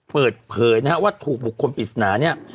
เปิดเผยนะฮะว่าถูกบุคคลปริศนาเนี่ย